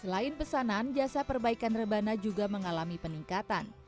selain pesanan jasa perbaikan rebana juga mengalami peningkatan